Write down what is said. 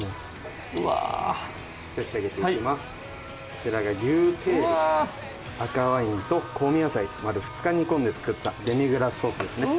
こちらが牛テール赤ワインと香味野菜丸２日煮込んで作ったデミグラスソースですね。